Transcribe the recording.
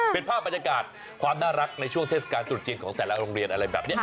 เป็นภาพบรรยากาศความน่ารักในช่วงเทศกาลตรุษจีนของแต่ละโรงเรียนอะไรแบบนี้